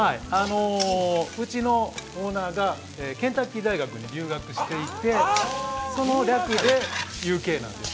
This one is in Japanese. うちのオーナーがケンタッキー大学に留学していてその略でＵ．Ｋなんですよ。